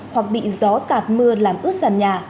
hoặc bị gió tạt mưa làm ướt sàn nhà